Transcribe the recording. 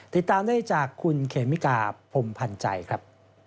ติดตามได้จากคุณเขมิกาพรมพันธ์ใจครับ